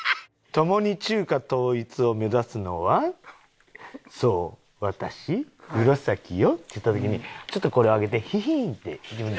「共に中華統一を目指すのはそう私黒崎よ」って言った時にちょっとこれを上げて「ヒヒーン」って言うねん。